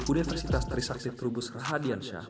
universitas trisaktif trubus rahadiansyah